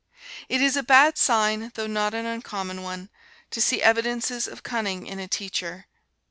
It is a bad sign, though not an uncommon one, to see evidences of cunning in a teacher.